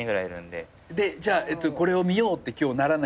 じゃあこれを見ようって今日ならないと見れない？